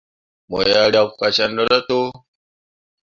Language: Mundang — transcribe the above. Mo yah riak fasyemme rah to.